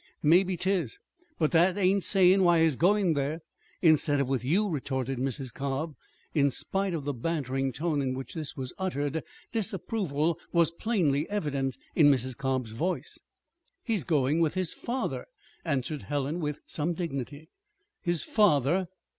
"Maybe 'tis; but that ain't sayin' why he's goin' there, instead of with you," retorted Mrs. Cobb. In spite of the bantering tone in which this was uttered, disapproval was plainly evident in Mrs. Cobb's voice. "He's going with his father," answered Helen, with some dignity. "His father!